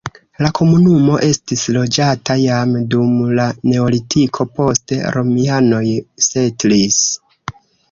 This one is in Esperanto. La komunumo estis loĝata jam dum la neolitiko, poste romianoj setlis.